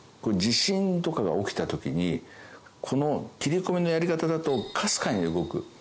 地震とかが起きた時にこの切り込みのやり方だとかすかに動く。